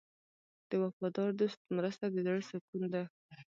د وفادار دوست مرسته د زړه سکون ده.